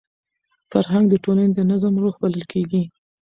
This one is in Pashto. فرهنګ د ټولني د نظم روح بلل کېږي.